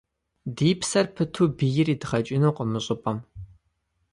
Ди псэр пыту бийр идгъэкӏынукъым мы щӏыпӏэм.